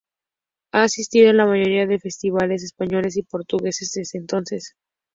Ha asistido a la mayoría de festivales españoles y portugueses desde entonces.